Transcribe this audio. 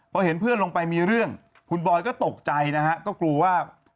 พอเห็นเพื่อนลงไปมีเรื่องคุณบอยก็ตกใจนะฮะก็กลัวว่า